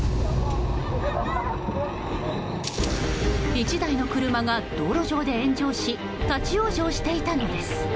１台の車が道路上で炎上し立ち往生していたのです。